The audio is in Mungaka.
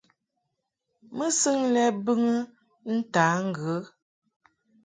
Mɨsɨŋ lɛ bɨŋɨ ntǎ ŋgə.